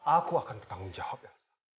aku akan bertanggung jawab ya